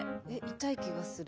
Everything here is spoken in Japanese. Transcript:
痛い気がする。